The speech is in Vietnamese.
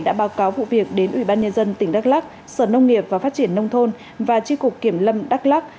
đã báo cáo vụ việc đến ủy ban nhân dân tỉnh đắk lắc sở nông nghiệp và phát triển nông thôn và tri cục kiểm lâm đắk lắc